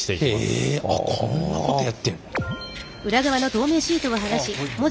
へえこんなことやってんの！